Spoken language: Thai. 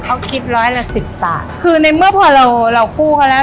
เขาคิดร้อยละสิบบาทคือในเมื่อพอเราเรากู้เขาแล้ว